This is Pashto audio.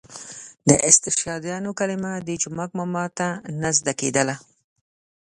د استشهادیانو کلمه د جومک ماما ته نه زده کېدله.